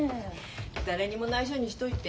誰にもないしょにしといて。